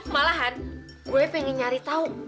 malahan gue pengen nyari tahu